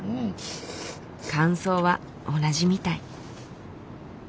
感想は同じみたい。